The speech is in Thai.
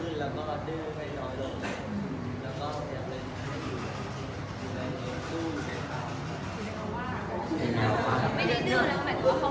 คือว่าไม่ได้ดื้อเลยเหมือนว่าเขาแบบชอบสนอะไรอย่างนั้น